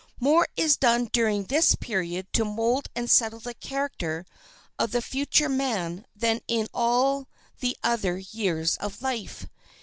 More is done during this period to mold and settle the character of the future man than in all the other years of life.